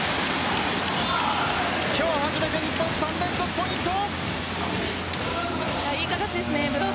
今日初めて日本、３連続ポイント。